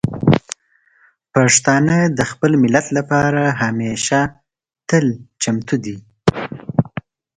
پښتانه د خپل ملت لپاره همیشه تل چمتو دي.